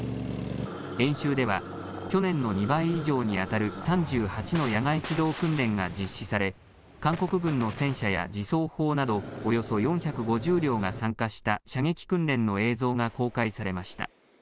演習では、去年の２倍以上に当たる３８の野外機動訓練が実施され、韓国軍の戦車や自走砲などおよそ４５０両が参加した射撃訓練の映像が公開されました。